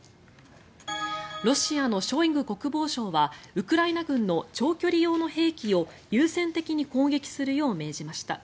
ロシアのショイグ国防相はウクライナ軍の長距離用の兵器を優先的に攻撃するよう命じました。